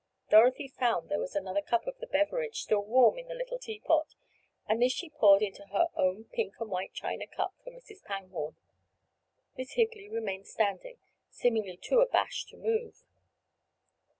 Dorothy found there was another cup of the beverage, still warm in the little teapot, and this she poured into her own pink and white china cup for Mrs. Pangborn. Miss Higley remained standing, seemingly too abashed to move.